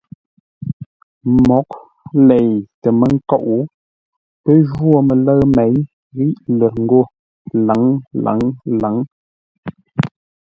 Mǒghʼ lei tə mə́ kóʼ, pə́ jwô mələ̂ʉ měi ghíʼ lə̂r ńgó lâŋ-lâŋ-lâŋ.